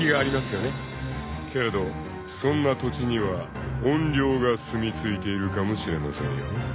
［けれどそんな土地には怨霊がすみ着いているかもしれませんよ］